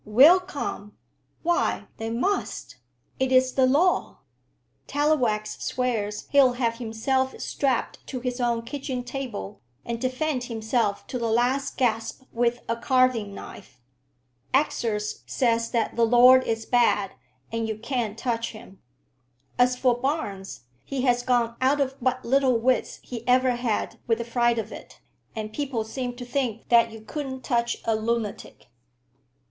"Will come! Why, they must. It is the law." "Tallowax swears he'll have himself strapped to his own kitchen table, and defend himself to the last gasp with a carving knife. Exors says that the law is bad, and you can't touch him. As for Barnes, he has gone out of what little wits he ever had with the fright of it, and people seem to think that you couldn't touch a lunatic."